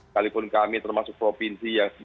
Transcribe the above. kalipun kami termasuk provinsi yang